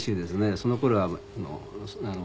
その頃は。